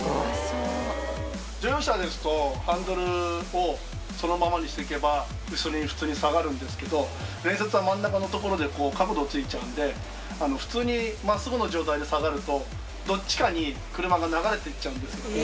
乗用車ですと、ハンドルをそのままにしていけば、後ろに普通に下がるんですけど、連接は真ん中の所でこう、角度ついちゃうんで、普通にまっすぐの状態で下がると、どっちかに車が流れていっちゃうんですよ。